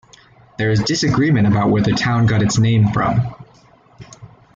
There is disagreement about where the town got its name from.